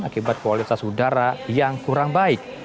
akibat kualitas udara yang kurang baik